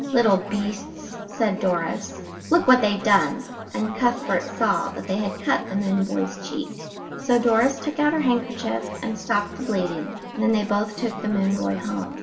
"Little beasts," said Doris, "look what they've done," and Cuthbert saw that they had cut the moon boy's cheek. So Doris took out her handkerchief and stopped the bleeding, and then they both took the moon boy home.